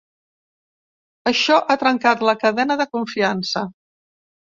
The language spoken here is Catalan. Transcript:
“Això ha trencat la cadena de confiança”.